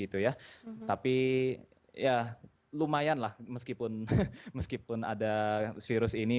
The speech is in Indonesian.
tapi ya lumayan lah meskipun ada virus ini